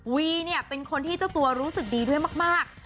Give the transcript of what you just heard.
วีเนี่ยเป็นคนที่เจ้าตัวรู้สึกดีด้วยมาก